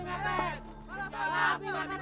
mengapa pak bupi bangun